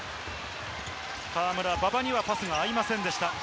河村、馬場にはパスが合いませんでした。